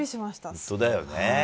本当だよね。